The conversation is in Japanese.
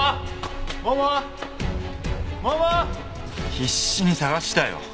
必死に捜したよ。